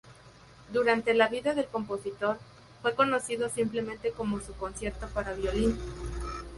Durante la vida del compositor, fue conocido simplemente como su "Concierto para violín".